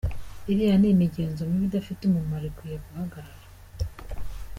Iriya ni imigenzo mibi idafite umumaro ikwiye guhagarara.